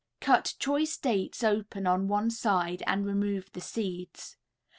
] Cut choice dates open on one side and remove the seeds.